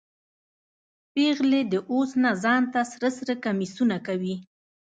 پیغلې د اوس نه ځان ته سره سره کمیسونه کوي